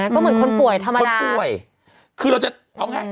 ก็เหมือนคนป่วยธรรมดาคนป่วยคือเราจะเอาไง